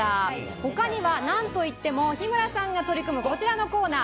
ほかにもはなんといっても日村さんが取り組むこちらのコーナー。